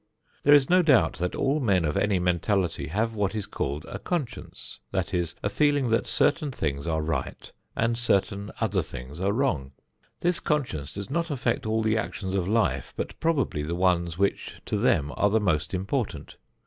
There is no doubt that all men of any mentality have what is called a conscience; that is, a feeling that certain things are right, and certain other things are wrong. This conscience does not affect all the actions of life, but probably the ones which to them are the most important.